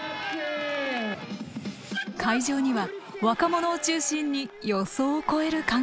会場には若者を中心に予想を超える観客が集まった。